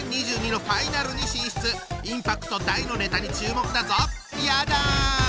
インパクト大のネタに注目だぞ！